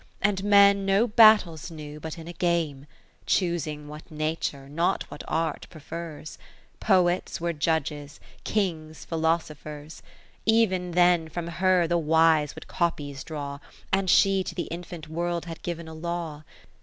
And men no battles knew but in a game. Choosing what Nature, not what Art, prefers ; Poets were Judges, Kings Philo sophers 3 Even then from her the wise would copies draw. And she to th' infant world had giv'n a law.